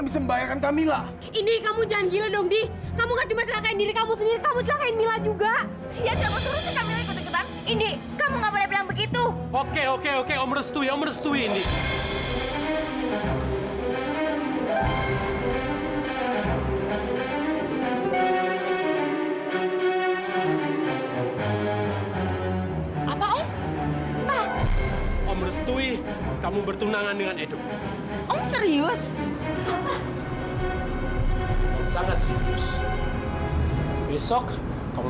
sampai jumpa di video selanjutnya